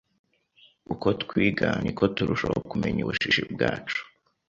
Uko twiga, niko turushaho kumenya ubujiji bwacu.